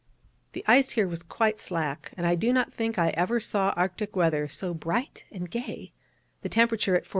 The ice here was quite slack, and I do not think I ever saw Arctic weather so bright and gay, the temperature at 41°.